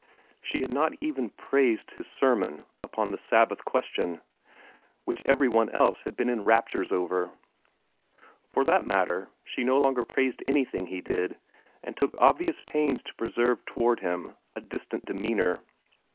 She had not even praised his sermon upon the Sabbath question, which every one else had been in raptures over. For that matter she no longer praised anything he did, and took obvious pains to preserve toward him a distant demeanor.